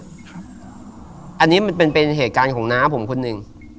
อันนี้มันเป็นเหตุการณ์ของน้าผมคนหนึ่ง